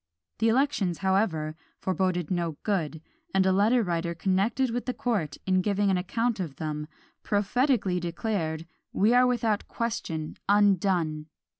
The elections, however, foreboded no good; and a letter writer connected with the court, in giving an account of them, prophetically declared, "we are without question undone!"